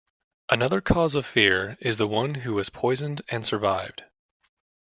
Another cause of fear is the one who was poisoned and survived.